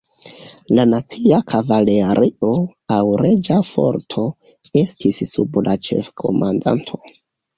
La "Nacia Kavalerio" aŭ "Reĝa Forto" estis sub la ĉefkomandanto.